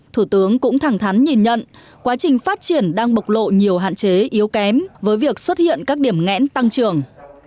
thủ tướng cũng thẳng thắn nhìn nhận quá trình phát triển đang bộc lộ nhiều hạn chế yếu kém với việc xuất hiện các điểm ngẽn tăng trưởng